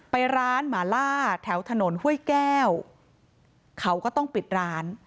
ไปร้านหมาล่าแถวถนนห้วยแก้วเขาก็ต้องปิดร้าน